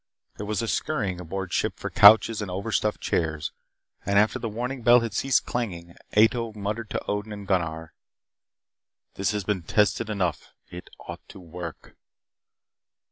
There was a scurrying aboard ship for couches and over stuffed chairs. And after the warning bell had ceased clanging, Ato muttered to Odin and Gunnar: "This has been tested enough. It ought to work."